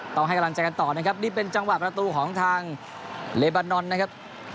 ต้องให้กำลังใจกันต่อนะครับนี่เป็นจังหวะประตูของทางเลบานอนนะครับ